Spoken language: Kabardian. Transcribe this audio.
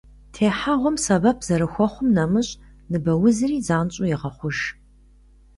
Техьэгъуэм сэбэп зэрыхуэхъум нэмыщӏ, ныбэ узри занщӏэу егъэхъуж.